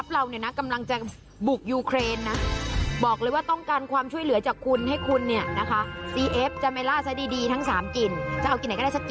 เมื่อเรารบชนะแล้วเราจะรีบส่งของให้ค่ะ